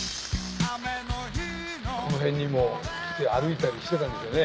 この辺にも来て歩いたりしてたんでしょうね。